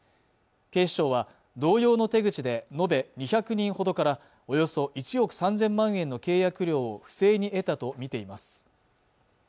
警視庁は同様の手口で延べ２００人ほどからおよそ１億３０００万円の契約料を不正に得たとみています